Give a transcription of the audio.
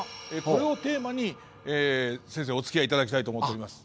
これをテーマに、先生おつきあいいただきたいと思っております。